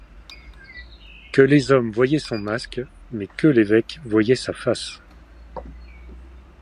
Que les hommes voyaient son masque, mais que l'évêque voyait sa face.